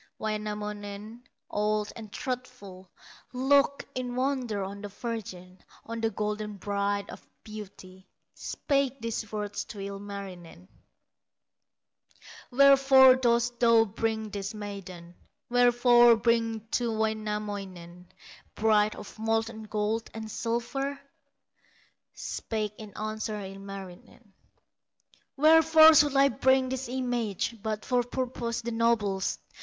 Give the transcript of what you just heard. Wainamoinen, old and truthful, Looked in wonder on the virgin, On the golden bride of beauty, Spake these words to Ilmarinen: "Wherefore dost thou bring this maiden, Wherefore bring to Wainamoinen Bride of molten gold and silver?" Spake in answer Ilmarinen: "Wherefore should I bring this image, But for purposes the noblest?